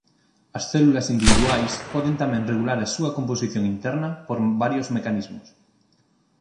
As células individuais poden tamén regular a súa composición interna por varios mecanismos.